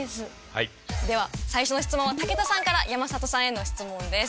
では最初の質問は武田さんから山里さんへの質問です。